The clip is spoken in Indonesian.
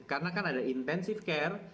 karena kan ada intensive care